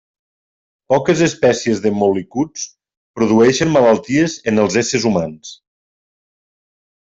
Poques espècies de mol·licuts produeixen malalties en els éssers humans.